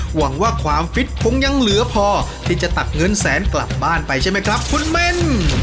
หวังว่าความฟิตคงยังเหลือพอที่จะตักเงินแสนกลับบ้านไปใช่ไหมครับคุณเมน